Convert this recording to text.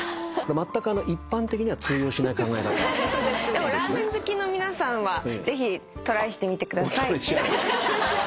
でもラーメン好きの皆さんはぜひトライしてみてください。